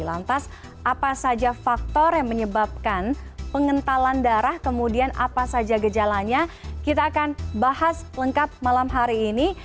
lantas apa saja faktor yang menyebabkan pengentalan darah kemudian apa saja gejalanya kita akan bahas lengkap malam hari ini